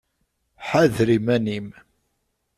Ḥader iman-im!